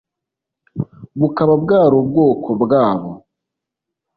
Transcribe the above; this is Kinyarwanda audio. bukaba bwari ubwoko bwabo